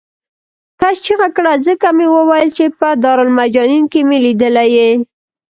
کس چغه کړه ځکه مې وویل چې په دارالمجانین کې مې لیدلی یې.